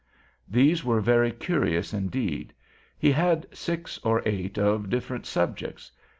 These were very curious indeed. He had six or eight, of different subjects.